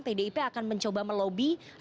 pdip akan mencoba melobi rekan rekan koalitas